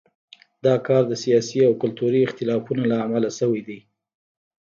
دا کار د سیاسي او کلتوري اختلافونو له امله شوی دی.